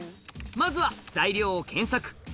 まずは材料を検索。